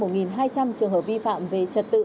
trường hợp vi phạm về trật tự